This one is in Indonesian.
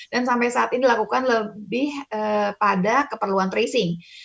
dan sampai saat ini dilakukan lebih pada keperluan tracing